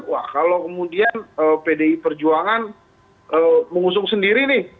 wah kalau kemudian pdi perjuangan mengusung sendiri nih